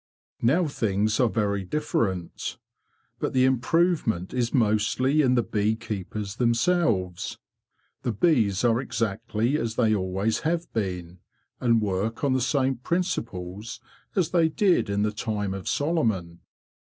Now things are very different; but the improvement is mostly in the bee keepers them selves. The bees are exactly as they always have been, and work on the same principles as they did in the time of Solomon.